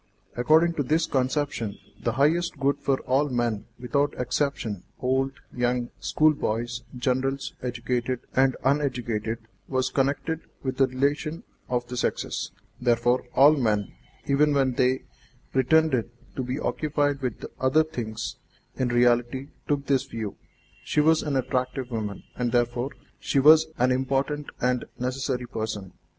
According to this conception, the highest good for all men without exception old, young, schoolboys, generals, educated and uneducated, was connected with the relation of the sexes; therefore, all men, even when they pretended to be occupied with other things, in reality took this view. She was an attractive woman, and therefore she was an important and necessary person.